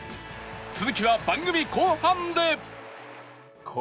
続きは番組後半で